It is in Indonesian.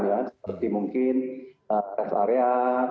seperti mungkin res area